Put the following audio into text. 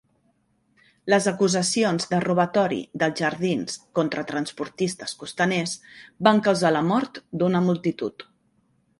Les acusacions de robatori dels jardins contra transportistes costaners van causar la mort d'una multitud.